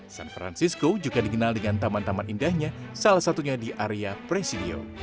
san francisco juga dikenal dengan taman taman indahnya salah satunya di area presidio